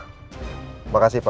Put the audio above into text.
terima kasih pak